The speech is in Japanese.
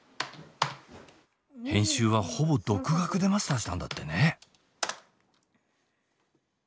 編集はほぼ独学でマスターしたんだってね。